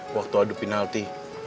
waktu adu penalti